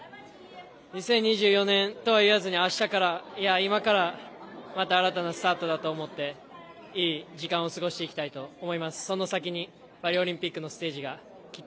２０２４年とは言わずに、明日から、いや今から、また新たなスタートだと思って、いい時間を過ごしていきたいと思